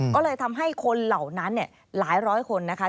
ก็เลยทำให้คนเหล่านั้นหลายร้อยคนนะคะ